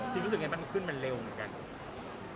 รู้สึกไงมันขึ้นมันเร็วเหมือนกัน